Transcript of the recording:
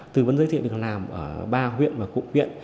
tư vấn giới thiệu việc làm ở ba huyện và cụ viện